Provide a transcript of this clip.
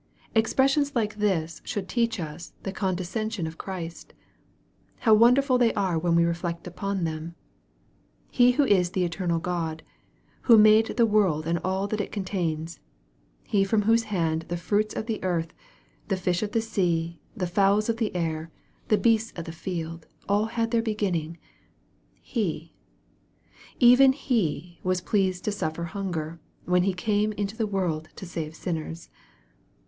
Expressions like this should teach us the condescen sion of Christ. How wonderful they are when we reflect upon them 1 He who is the eternal God He who made the world and all that it contains He from whose hand the fruits of the earth, the fish of the sea, the fowls of the air, the beasts of the field, all had their beginning He, even He was pleased to suffer hunger, when He came into the world to save sinners.